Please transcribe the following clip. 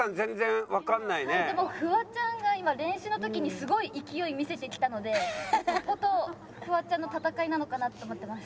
でもフワちゃんが今練習の時にすごい勢い見せてきたのでこことフワちゃんの戦いなのかなって思ってます。